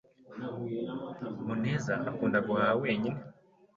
Muneza akunda guhaha wenyine.